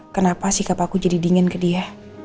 kenapa sikap aku jadi dingin ke dia